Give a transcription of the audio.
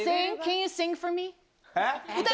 えっ？